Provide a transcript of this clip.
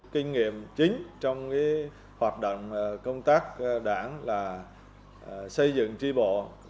kinh nghiệm chính trong hoạt động công tác đảng là xây dựng tri bộ